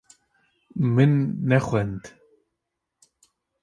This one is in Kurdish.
Min nexwend.